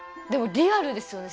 リアルですよね